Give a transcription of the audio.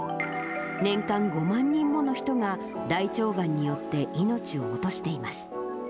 年間５万人もの人が大腸がんによって命を落としています。